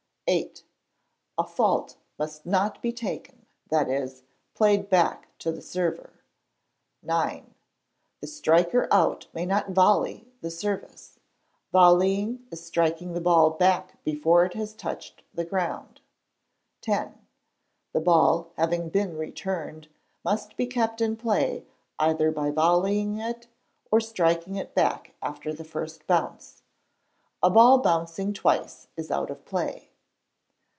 viii. A fault must not be taken, that is, played back to the server. ix. The striker out may not volley the service. Volleying is striking the ball back before it has touched the ground. x. The ball, having been returned, must be kept in play either by volleying it, or striking it back after the first bounce. A ball bouncing twice is out of play.